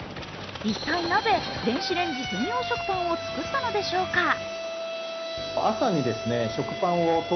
一体なぜ電子レンジ専用食パンを作ったのでしょうか。